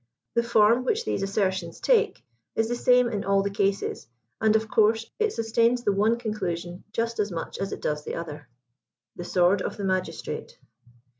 *• The form which these assertions take" is the same in all the cases, and of course it sustains the one con clusion just as much as it does the other. THE BWOKD OF THB MAGISTRATE.